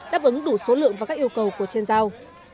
đáp ứng đủ số lượng và các yêu cầu của trên giao